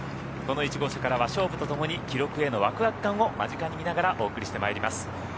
この１号車からは勝負とともに記録へのワクワク感を間近に見ながらお伝えしてまいります。